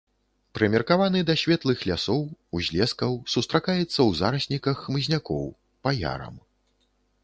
Прымеркаваны да светлых лясоў, узлескаў, сустракаецца ў зарасніках хмызнякоў, па ярам.